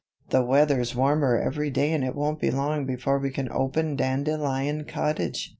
"The weather's warmer every day and it won't be long before we can open Dandelion Cottage.